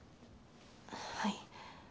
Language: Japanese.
はい。